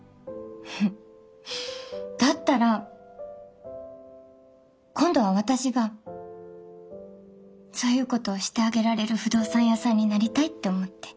だったら今度は私がそういうことをしてあげられる不動産屋さんになりたいって思って。